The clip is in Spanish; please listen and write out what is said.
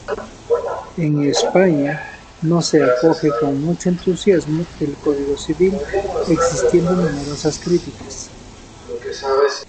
En España no se acoge con mucho entusiasmo el Código Civil, existiendo numerosas críticas.